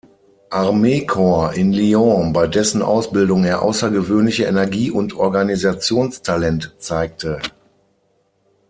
Armeekorps in Lyon, bei dessen Ausbildung er außergewöhnliche Energie und Organisationstalent zeigte.